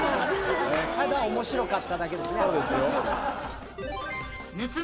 ただおもしろかっただけですね。